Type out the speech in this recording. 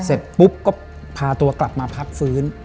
เสร็จปุ๊บก็พาตัวกลับมาพักฟื้น